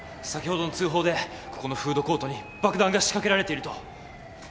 先ほどの通報でここのフードコートに爆弾が仕掛けられていると。